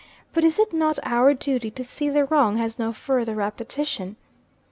But is it not our duty to see the wrong has no further repetition?